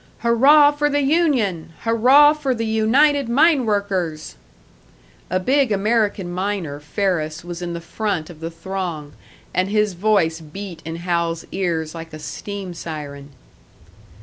"Hurrah for the union! Hurrah for the United Mine Workers!" A big American miner, Ferris, was in the front of the throng, and his voice beat in Hal's ears like a steam siren.